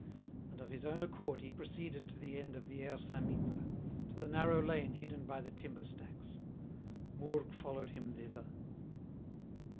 And of his own accord he proceeded to the end of the Aire Saint Mittre, to the narrow lane hidden by the timber stacks. Mourgue followed him thither.